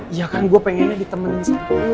iya kan gue pengennya ditemenin sama lo